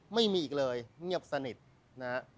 ไม่มีอีกเลยเงียบสนิทนะฮะ